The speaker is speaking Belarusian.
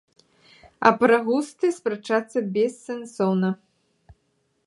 А пра густы спрачацца бессэнсоўна.